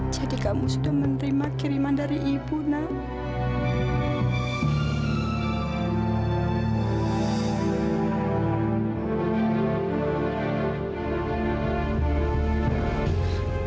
jadi kamu sudah menerima kiriman dari ibu nak